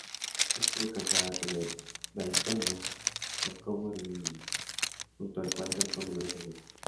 Estuvo casada con el barítono Giacomo Rimini, junto al cual cantó numerosas veces.